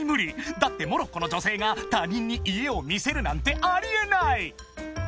だってモロッコの女性が他人に家を見せるなんてあり得ない！］